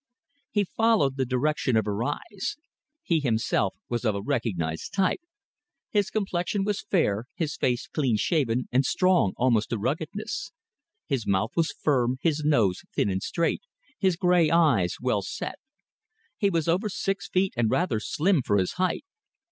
He followed the direction of her eyes. He himself was of a recognised type. His complexion was fair, his face clean shaven and strong almost to ruggedness. His mouth was firm, his nose thin and straight, his grey eyes well set. He was over six feet and rather slim for his height.